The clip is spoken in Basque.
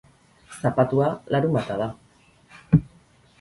Zapatua larunbata da.